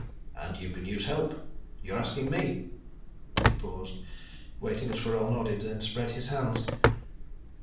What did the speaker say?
"And you can use help? You're asking me?" He paused, waiting as Forell nodded, then spread his hands.